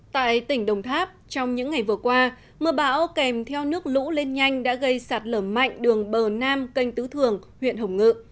tại tỉnh đồng tháp trong những ngày vừa qua mưa bão kèm theo nước lũ lên nhanh đã gây sạt lở mạnh đường bờ nam canh tứ thường huyện hồng ngự